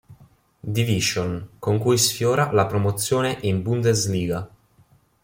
Division, con cui sfiora la promozione in Bundesliga.